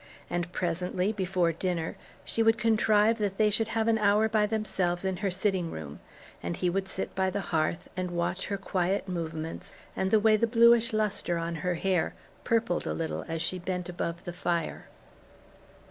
And presently, before dinner, she would contrive that they should have an hour by themselves in her sitting room, and he would sit by the hearth and watch her quiet movements, and the way the bluish lustre on her hair purpled a little as she bent above the fire.